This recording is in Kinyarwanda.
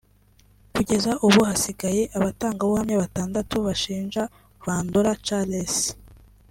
Kugeza ubu hasigaye abatangabuhamya batandatu bashinja Bandora Charles